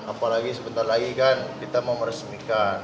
apalagi sebentar lagi kan kita mau meresmikan